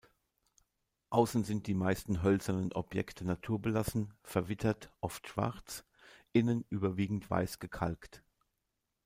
Außen sind die meisten hölzernen Objekte naturbelassen, verwittert, oft schwarz; innen überwiegend weiß gekalkt.